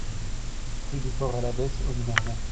Rue du Port à l'Abbesse au numéro neuf